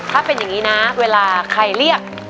ถ้าเป็นอย่างนี้นะเวลาใครเรียก